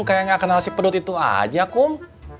kayak gak kenal si pedut itu aja cuk